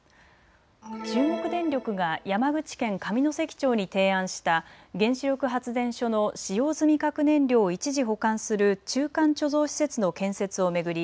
中国電力が山口県上関町に提案した原子力発電所の使用済み核燃料を一時保管する中間貯蔵施設の建設を巡り